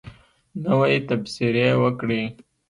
نوی تبصرې وکړئ